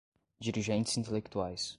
dirigentes intelectuais